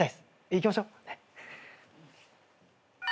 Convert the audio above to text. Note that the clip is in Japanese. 行きましょうねっ。